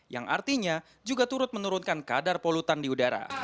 yang artinya juga turut menurunkan kadar polutan di udara